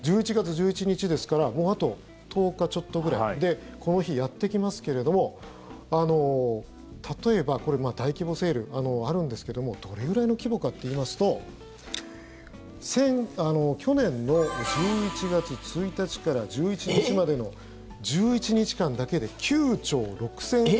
１１月１１日ですからもうあと１０日ちょっとぐらいでこの日、やってきますけれども例えば、これ大規模セールあるんですけどもどれぐらいの規模かっていいますと去年の１１月１日から１１日までの１１日間だけでえっ？